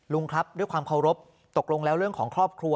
ลุงครับด้วยความเคารพตกลงแล้วเรื่องของครอบครัว